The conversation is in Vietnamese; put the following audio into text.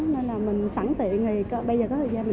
nên là mình sẵn tiện thì bây giờ có thời gian mình